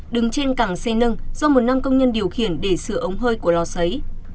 đứng trên cảng xe nâng do một nam công nhân điều khiển để sửa ống hơi của lò xấy